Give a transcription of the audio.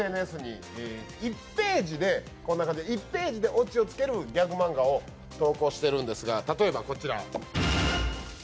ふだんからＳＮＳに、１ページでオチをつけるギャグ漫画を投稿しているんですが、例えばこちら。